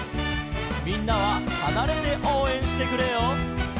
「みんなははなれておうえんしてくれよ」